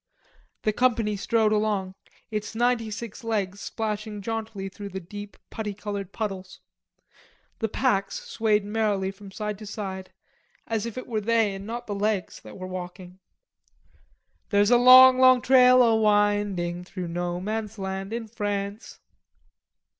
The company strode along, its ninety six legs splashing jauntily through the deep putty colored puddles. The packs swayed merrily from side to side as if it were they and not the legs that were walking. "There's a long, long trail a winding Through no man's land in France."